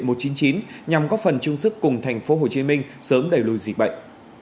đoàn y bác sĩ của bệnh viện một trăm chín mươi chín nhằm có phần chung sức cùng thành phố hồ chí minh sớm đẩy lùi dịch bệnh